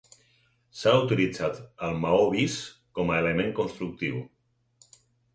S'ha utilitzat el maó vist com a element constructiu.